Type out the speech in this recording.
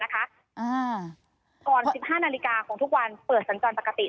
ก่อน๑๕นาฬิกาของทุกวันเปิดสัญจรปกติ